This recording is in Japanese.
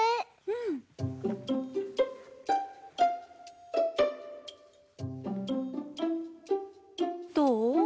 うん。どう？